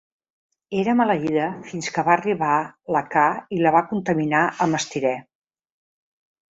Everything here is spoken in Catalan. Era maleïda fins que va arribar la ca i la va contaminar amb estirè.